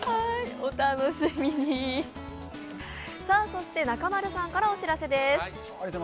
そして中丸さんからお知らせです。